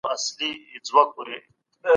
علماوو خلکو ته د زغم او صبر بلنه ورکړه.